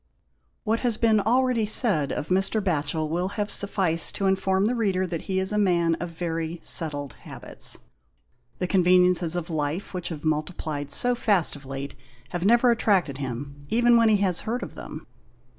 What has been already said of Mr. Batchel will have sufficed to inform the reader that he is a man of very settled habits. The con veniences of life, which have multiplied so fast of late, have never attracted him, even when he has heard of them.